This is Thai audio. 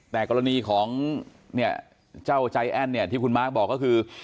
แต่กรณีของเจ้าใจแอ้นเนี่ยที่คุณมาฮิตบูว์บอกก็คือ